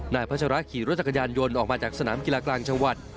พัชระขี่รถจักรยานยนต์ออกมาจากสนามกีฬากลางจังหวัด